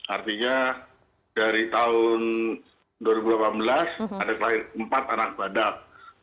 artinya dari tahun dua ribu delapan belas ada empat anak badak